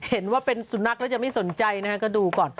เห็นว่าเป็นสุนัขแล้วจะไม่สนใจนะฮะก็ดูก่อน